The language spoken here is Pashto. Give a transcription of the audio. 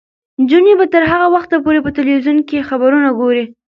نجونې به تر هغه وخته پورې په تلویزیون کې خبرونه ګوري.